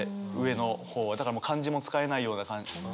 だからもう漢字も使えないような感じで。